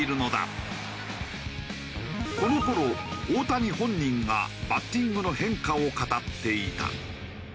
この頃大谷本人がバッティングの変化を語っていた。